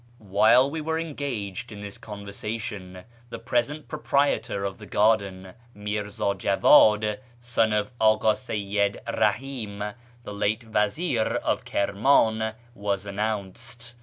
" While we were engaged in this conversation, the present proprietor of the garden, Mirza Jaw; id, son of Aka Seyyid Eahi'm, the late vazir of Kirman, was announced.